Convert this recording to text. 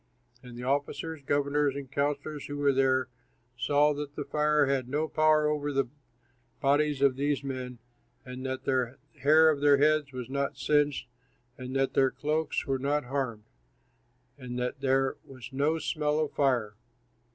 And the officers, governors, and counsellors who were there saw that the fire had no power over the bodies of these men, and that the hair of their heads was not singed and that their cloaks were not harmed, and that there was no smell of fire.